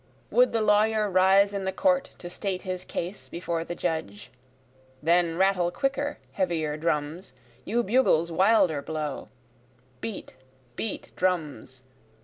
Would the lawyer rise in the court to state his case before the judge? Then rattle quicker, heavier drums you bugles wilder blow. Beat! beat! drums!